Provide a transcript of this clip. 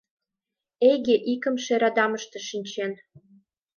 Эйге икымше радамыште шинчен.